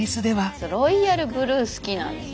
そうロイヤルブルー好きなんです。